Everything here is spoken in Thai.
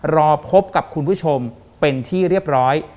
รอพบกับคุณผู้ชมเป็นที่เรียบร้อย